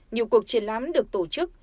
nhiều cuộc triển lãm được tổ chức